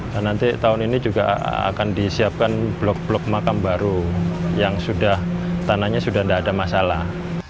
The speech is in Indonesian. dan nanti tahun ini juga akan disiapkan blok blok makam baru yang tanahnya sudah tidak ada masalah